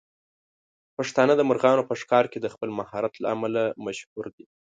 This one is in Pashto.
پښتانه د مرغانو په ښکار کې د خپل مهارت له امله مشهور دي.